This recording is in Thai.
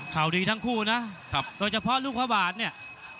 ข่าวดีทั้งคู่นะโดยเฉพาะลูกพระบาทเนี่ย